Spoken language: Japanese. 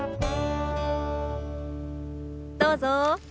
どうぞ。